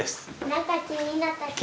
何か気になったけど。